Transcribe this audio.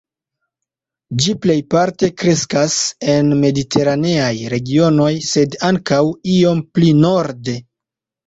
Ĝi plejparte kreskas en Mediteraneaj regionoj, sed ankaŭ iom pli norde.